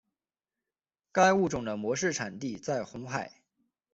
该物种的模式产地在红海。